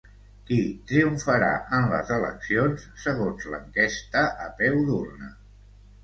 Qui triomfarà en les eleccions segons l'enquesta a peu d'urna?